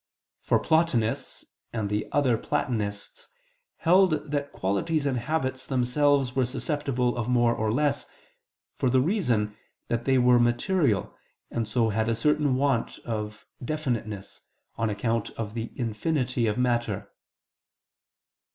_ For Plotinus and the other Platonists held that qualities and habits themselves were susceptible of more or less, for the reason that they were material and so had a certain want of definiteness, on account of the infinity of matter.